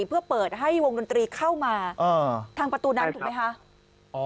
เพื่อเปิดให้วงดนตรีเข้ามาทางประตูนั้นถูกไหมคะ